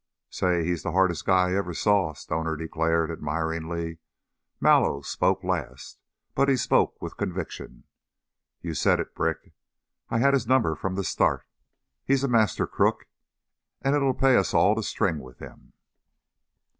"Say! He's the hardest guy I ever saw," Stoner declared, admiringly. Mallow spoke last, but he spoke with conviction. "You said it, Brick. I had his number from the start. He's a master crook, and it'll pay us all to string with him."